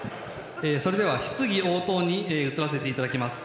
それでは質疑応答に移らせていただきます。